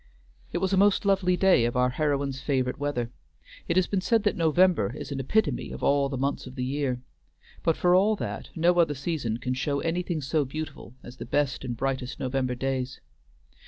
It was a most lovely day of our heroine's favorite weather. It has been said that November is an epitome of all the months of the year, but for all that, no other season can show anything so beautiful as the best and brightest November days.